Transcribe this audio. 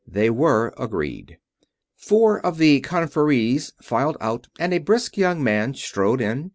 They were agreed. Four of the conferees filed out and a brisk young man strode in.